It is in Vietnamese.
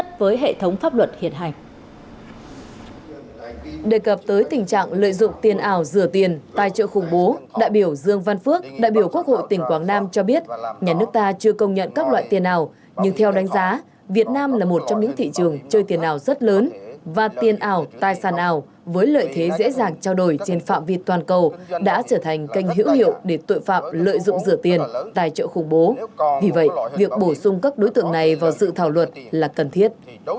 tiền tài trợ khủng bố đại biểu dương văn phước đại biểu quốc hội tỉnh quảng nam cho biết nhà nước ta chưa công nhận các loại tiền ảo nhưng theo đánh giá việt nam là một trong những thị trường chơi tiền ảo rất lớn và tiền ảo tài sản ảo với lợi thế dễ dàng trao đổi trên phạm việt toàn cầu đã trở thành kênh hữu hiệu để tội phạm lợi dụng giữa tiền tài trợ khủng bố vì vậy việc bổ sung các đối tượng này vào sự thảo luật là cần thiết